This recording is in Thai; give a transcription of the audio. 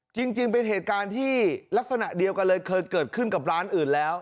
จริงเป็นเหตุการณ์ที่ลักษณะเดียวกันเลยเคยเกิดขึ้นกับร้านอื่นแล้ว